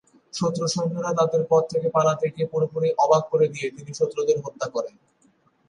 শত্রু সৈন্যরা তাদের পদ থেকে পালাতে গিয়ে পুরোপুরি অবাক করে দিয়ে তিনি শত্রুদের হত্যা করে।